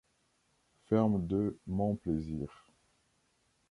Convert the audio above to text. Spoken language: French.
Ferme de Mon-Plaisir.